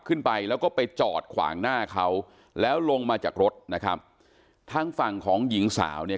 ขึ้นไปแล้วก็ไปจอดขวางหน้าเขาแล้วลงมาจากรถนะครับทางฝั่งของหญิงสาวเนี่ย